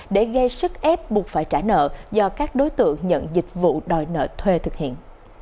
để gây sức ép buộc phải trả nợ do các đối tượng nhận dịch vụ đòi nợ thuê thực hiện